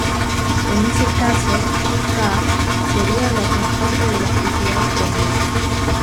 En ese caso "k" sería la constante de elasticidad del muelle.